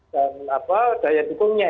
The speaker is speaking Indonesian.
dan daya dukungnya